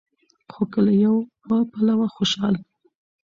خو که له يوه پلوه خوشال